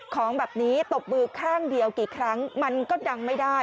ของแบบนี้ตบมือข้างเดียวกี่ครั้งมันก็ดังไม่ได้